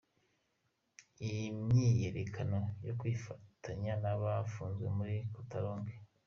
Imyiyerekano yo kwifadikanya n'abapfunzwe muri Catalogne.